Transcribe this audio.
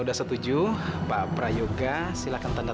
status umrah dari belanda